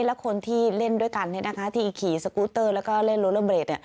และคนที่เล่นด้วยกันที่ขี่สกูตเตอร์แล้วก็เล่นโลเลอร์เบรก